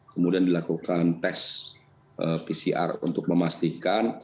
kemudian dilakukan tes pcr untuk memastikan